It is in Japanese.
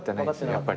やっぱり。